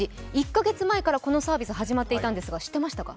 １カ月前からこのサービス始まっていたんですが、知ってましたか？